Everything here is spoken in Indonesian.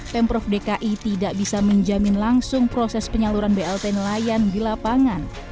pemprov dki tidak bisa menjamin langsung proses penyaluran blt nelayan di lapangan